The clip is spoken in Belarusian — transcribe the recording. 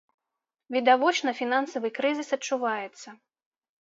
Відавочна, фінансавы крызіс адчуваецца.